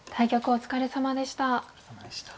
お疲れさまでした。